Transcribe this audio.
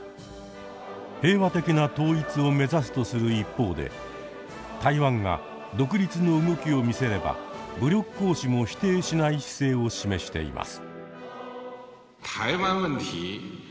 平和的な統一を目指すとする一方で台湾が独立の動きを見せれば武力行使も否定しない姿勢を示しています。